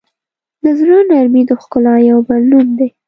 د زړه نرمي د ښکلا یو بل نوم دی.